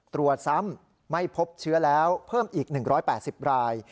ตรวจซ้ำไม่พบเชื้อแล้วเพิ่มอีก๑๘๐ราย